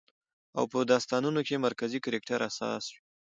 او په داستانونو کې مرکزي کرکټر اساس وي